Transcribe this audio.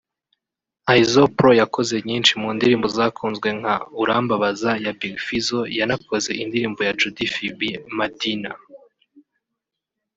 Iyzo Pro yakoze nyinshi mu ndirimbo zakunzwe nka “Urambabaza“ ya Big Fizzo yanakoze indirimbo ya Joddy Phibi “Madina